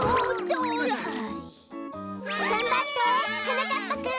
がんばってはなかっぱくん！